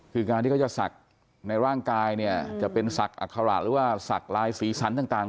คือการที่เขาจะศักดิ์ในร่างกายเนี่ยจะเป็นศักดิ์อัคระหรือว่าสักลายสีสันต่าง